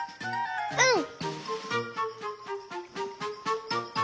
うん！